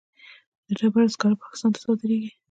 د ډبرو سکاره پاکستان ته صادریږي